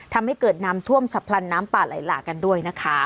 ทำให้เกิดน้ำท่วมฉับพลันน้ำป่าไหลหลากกันด้วยนะคะ